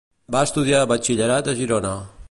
Va estudiar batxillerat a Girona.